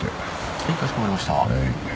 はいかしこまりました。